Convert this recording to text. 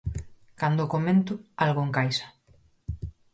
Cando o comento, algo encaixa.